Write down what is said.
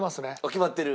決まってる？